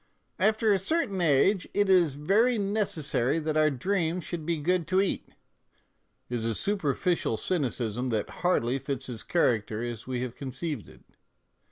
" After a certain age it is very necessary that our dreams should be good to eat," is a super ficial cynicism that hardly fits his character as we have conceived it.